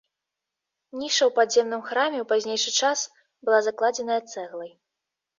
Ніша ў падземным храме ў пазнейшы час была закладзеная цэглай.